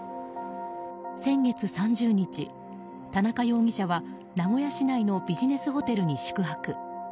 先月３０日、田中容疑者は名古屋市内のビジネスホテルに宿泊。